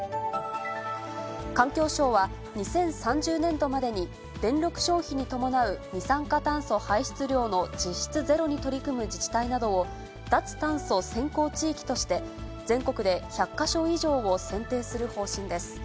環境省は、２０３０年度までに、電力消費に伴う二酸化炭素排出量の実質ゼロに取り組む自治体などを、脱炭素先行地域として、全国で１００か所以上を選定する方針です。